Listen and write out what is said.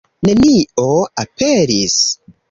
Nenio aperis.